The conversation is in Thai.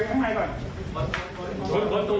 คนตัวคนตัวคนตัว